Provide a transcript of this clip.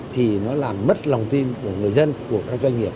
thì nó làm mất lòng tin của người dân của các doanh nghiệp